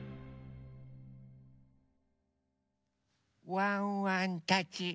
ワンワンたち。